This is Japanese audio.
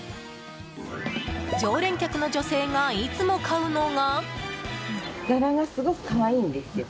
常連客の女性がいつも買うのが。